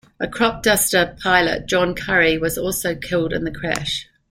A crop-duster pilot, John Curry, was also killed in the crash.